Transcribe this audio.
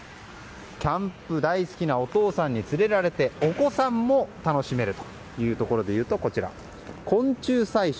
キャンプ大好きなお父さんに連れられてお子さんも楽しめるというところでいうとこちら、昆虫採集。